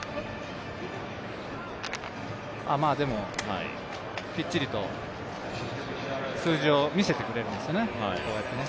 でも、きっちりと数字を見せてくれるんですね。